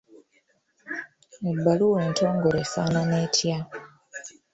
Ebbaluwa entongole efaanana etya?